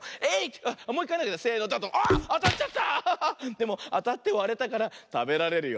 でもあたってわれたからたべられるよ。